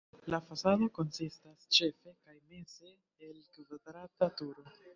La fasado konsistas ĉefe kaj meze el kvadrata turo.